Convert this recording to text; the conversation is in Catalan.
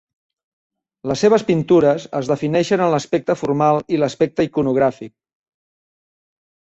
Les seves pintures es defineixen en l'aspecte formal i l'aspecte iconogràfic.